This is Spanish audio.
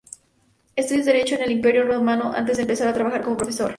Estudió Derecho en el Imperio otomano antes de empezar a trabajar como profesor.